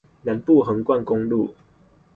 南部橫貫公路